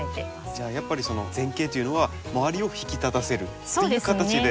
じゃあやっぱりその前景というのは周りを引き立たせるっていう形で考えれば。